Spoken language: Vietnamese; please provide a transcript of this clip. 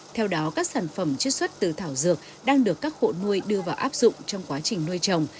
theo đó các sản phẩm chất xuất từ thảo dược đang được các hộ nuôi đưa vào áp dụng trong quá trình nuôi chồng